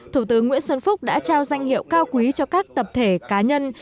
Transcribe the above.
thủ tướng nguyễn xuân phúc đã trao danh hiệu cao quý cho các tập thể cá nhân